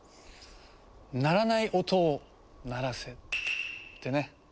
「鳴らない音を鳴らせ」ってね。